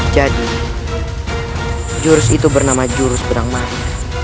jadi jurus itu bernama jurus pedang maya